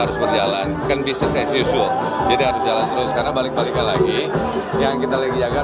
harus berjalan kan bisnis as usual jadi harus jalan terus karena balik balik lagi yang kita lagi jaga